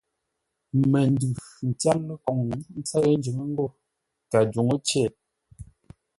Məndʉ tyár ləkoŋ ńtsə́ʉ njʉ́ŋə́ ńgó kədǔŋcei.